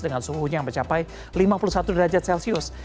dengan suhunya yang mencapai lima puluh satu derajat celcius